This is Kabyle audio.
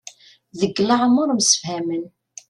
Deg leɛmer msefhamen.